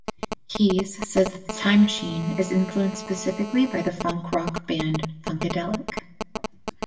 Keys says that "Time Machine" is influenced specifically by the funk rock band Funkadelic.